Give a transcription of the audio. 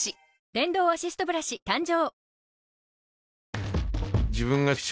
電動アシストブラシ誕生